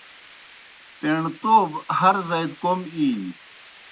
پیݨتَوب ہر زائی دہ کوْم اِینیْ۔